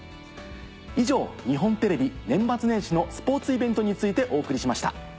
以上日本テレビ年末年始のスポーツイベントについてお送りしました。